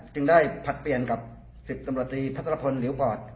จึงได้ผลัดเปลี่ยนกับ๑๐สมบัติพัฒนภพลิวปอด